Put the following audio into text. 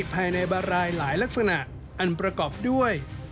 ภายในบารายหลายลักษณะอันประกอบด้วย